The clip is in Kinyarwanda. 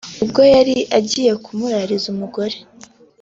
ubwo yari agiye kumurariza umugore